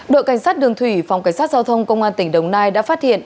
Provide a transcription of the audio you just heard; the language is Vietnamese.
đội cảnh sát đường thủy phòng cảnh sát giao thông công an tỉnh đồng nai đã phát hiện